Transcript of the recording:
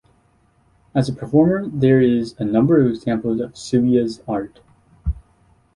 As a performer there is a number of examples of Cilea's art.